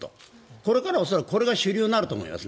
これからは恐らくこれが主流になると思います。